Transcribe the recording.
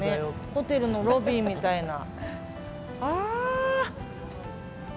ホテルのロビーみたいな。